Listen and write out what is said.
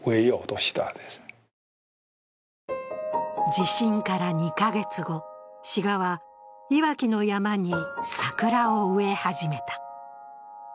地震から２か月後、志賀はいわきの山に桜を植え始めた。